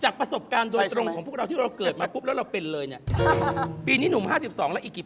เอาตรงนี้ทำยังไงทำท่ายดูครับ